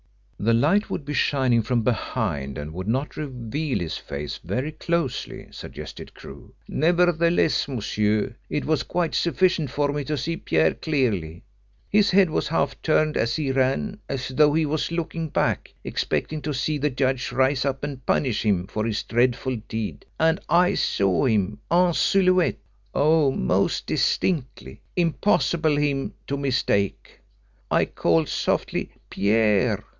"The light would be shining from behind, and would not reveal his face very closely," suggested Crewe. "Nevertheless, monsieur, it was quite sufficient for me to see Pierre clearly. His head was half turned as he ran, as though he was looking back expecting to see the judge rise up and punish him for his dreadful deed, and I saw him en silhouette, oh, most distinctly impossible him to mistake. I called softly 'Pierre!'